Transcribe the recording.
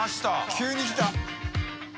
急に来た。